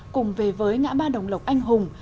cùng về với ngã ba đồng lộc anh hùng